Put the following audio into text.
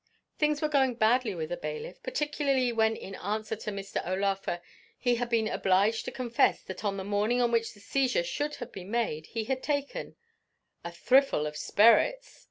Things were going badly with the bailiff, particularly when in answer to Mr. O'Laugher, he had been obliged to confess that on the morning on which the seizure should have been made he had taken a thrifle of sperrits!